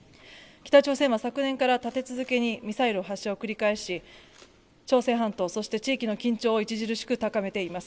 北朝鮮は昨年から立て続けにミサイル発射を繰り返し、朝鮮半島そして地域の緊張を著しく高めています。